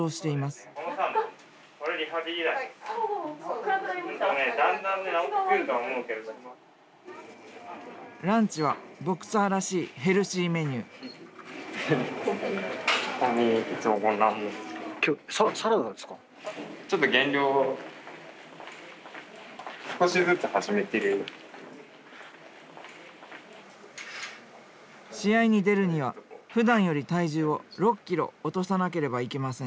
試合に出るにはふだんより体重を６ｋｇ落とさなければいけません。